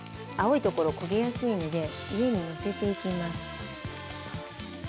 青いところ焦げやすいので上にのせていきます。